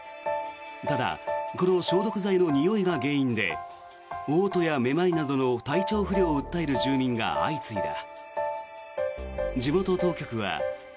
ただこの消毒剤のにおいが原因でおう吐やめまいなどの体調不良を訴える住民が相次いだ。